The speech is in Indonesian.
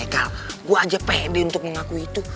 kal gue aja pede untuk mengaku itu